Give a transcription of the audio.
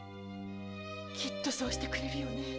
きっとそうしてくれるよね？